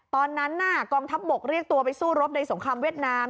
ตอนนั้นกองทัพบกเรียกตัวไปสู้รบในสงครามเวียดนาม